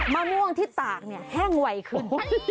มะม่วงที่ตากเนี่ยแห้งไวขึ้น